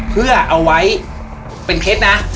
เพื่อเอาไว้เป็นเคล็ดนะ